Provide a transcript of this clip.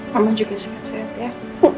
namun juga sehat sehat ya